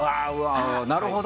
なるほど！